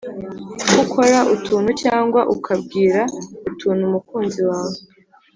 ko ukora utuntu cyangwa ukabwira utuntu umukunzi wawe